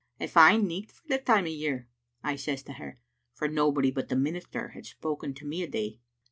" 'A fine nicht for the time o' year,* I says to her, for nobody but the minister had spoken to me a' day.